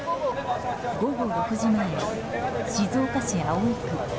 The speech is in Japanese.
午後６時前、静岡市葵区。